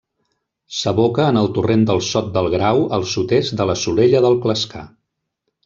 S'aboca en el torrent del Sot del Grau al sud-est de la Solella del Clascar.